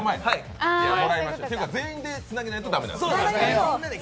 全員でつなげないと駄目なのね？